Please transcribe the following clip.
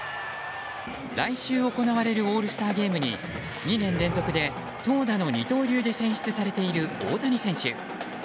来週、行われるオールスターゲームに２年連続で投打の二刀流で選出されている大谷選手。